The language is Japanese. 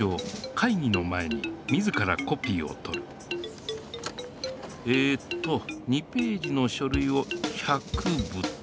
かいぎの前に自らコピーをとるえっと２ページのしょるいを１００部と。